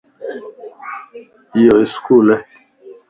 ايو اسڪول ائي